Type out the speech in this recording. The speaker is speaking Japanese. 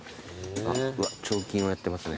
うわ彫金をやってますね。